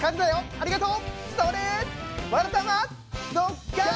ありがとう！